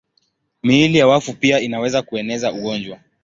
Miili ya wafu pia inaweza kueneza ugonjwa.